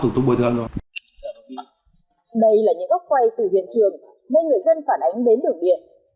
thủ tục bồi thường rồi đây là những góc quay từ hiện trường ngay người dân phản ánh đến đường điện